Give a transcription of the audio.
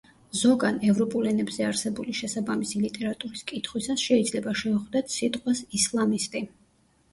ზოგან, ევროპულ ენებზე არსებული შესაბამისი ლიტერატურის კითხვისას შეიძლება შევხვდეთ სიტყვას ისლამისტი.